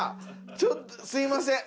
ちょっとすいません。